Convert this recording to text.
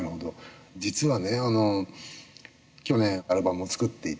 実はね去年アルバムを作っていてですね